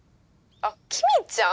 あっきみちゃん？